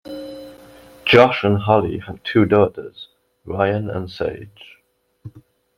Josh and Holly have two daughters, Ryann and Sage.